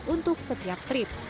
untuk setiap trip